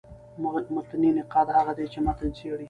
متني نقاد هغه دﺉ، چي متن څېړي.